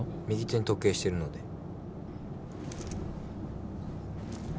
右手に時計してるので。